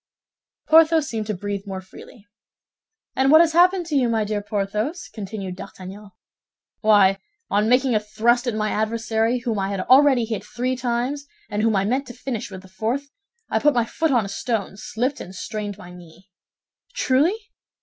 Porthos seemed to breathe more freely. "And what has happened to you, my dear Porthos?" continued D'Artagnan. "Why, on making a thrust at my adversary, whom I had already hit three times, and whom I meant to finish with the fourth, I put my foot on a stone, slipped, and strained my knee." "Truly?"